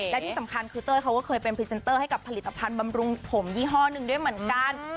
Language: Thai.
และที่สำคัญคือเต้ยเขาก็เคยเป็นพรีเซนเตอร์ให้กับผลิตภัณฑ์บำรุงผมยี่ห้อหนึ่งด้วยเหมือนกัน